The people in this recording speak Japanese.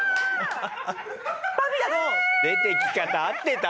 出てき方合ってた？